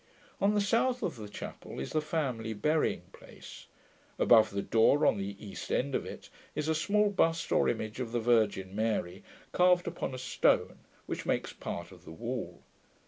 On the south of the chapel is the family burying place. Above the door, on the east end of it, is a small bust or image of the Virgin Mary, carved upon a stone which makes part of the wall.